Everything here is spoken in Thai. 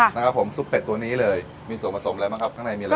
นะครับผมซุปเป็ดตัวนี้เลยมีส่วนผสมอะไรบ้างครับข้างในมีอะไร